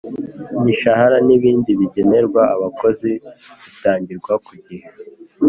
imishahara n ibindi bigenerwa abakozi bitangirwa kugihe